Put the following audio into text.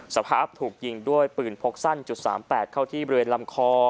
สภาพถูกยิงด้วยปืนพกสั้น๓๘เข้าที่บริเวณลำคอ